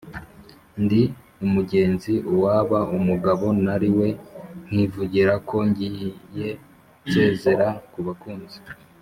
ndi umugenzi Uwaba umugabo nari we Nkivugira ko ngiye Nsezera ku bakunzi?